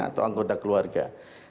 atau anggota keluarga